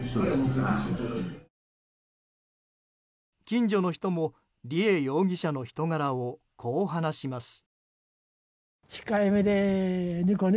近所の人も梨恵容疑者の人柄をこう話します。